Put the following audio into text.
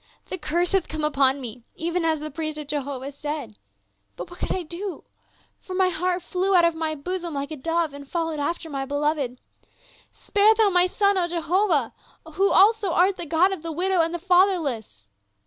The curse hath come upon mc, even as the priest of Jehovah said ; but what could I do, for my heart flew out of my bosom like a dove and followed after my beloved ? Spare thou my son, O Jehovah, who also art the God of the widow and the fatherless